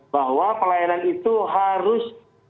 bahwa pelayanan itu harus